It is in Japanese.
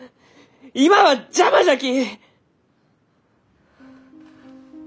今は邪魔じゃき！